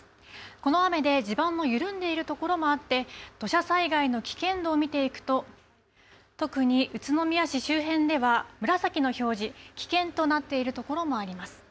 この雨で地盤の緩んでいる所もあって、土砂災害の危険度を見ていくと、特に宇都宮市周辺では紫の表示、危険となっている所もあります。